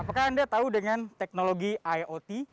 apakah anda tahu dengan teknologi iot